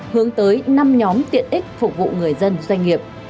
hướng tới năm nhóm tiện ích phục vụ người dân doanh nghiệp